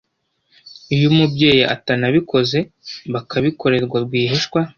iyo umubyeyi atanabikoze bakabikorerwa rwihishwa